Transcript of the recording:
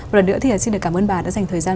một lần nữa thì xin được cảm ơn bà đã dành thời gian